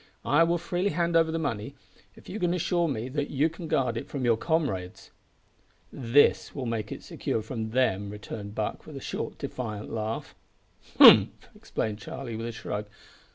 I will freely hand over the money if you can assure me that you can guard it from your comrades." "This will make it secure from them," returned Buck, with a short defiant laugh. "Humph" exclaimed Charlie with a shrug.